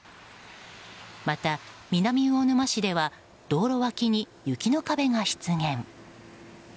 また、南魚沼市では道路脇に雪の壁が出現。